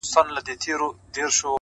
o ما ويل ددې به هېرول نه وي زده؛